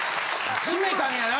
決めたんやな！